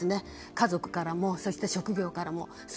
家族からも職業からも。